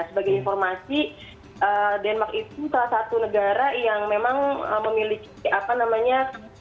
sebagai informasi denmark itu salah satu negara yang memang memiliki apa namanya